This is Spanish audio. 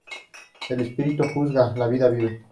El espíritu juzga; la vida vive.